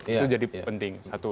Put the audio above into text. itu jadi penting satu